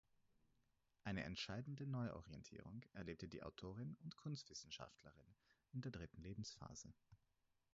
Eine entscheidende Neuorientierung erlebte die Autorin und Kunstwissenschaftlerin in der dritten Lebensphase.